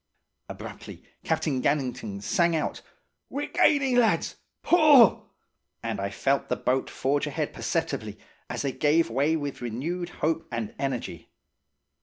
"Abruptly Captain Gannington sang out: 'We're gaining, lads. Pull!' And I felt the boat forge ahead perceptibly, as they gave way with renewed hope and energy.